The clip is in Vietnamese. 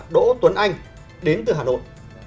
đỗ tuấn anh đến từ hà nội